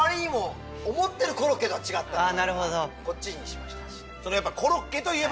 こっちにしました。